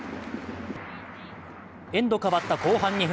エンド変わった後半２分。